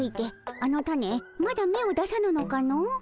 あのタネまだめを出さぬのかの？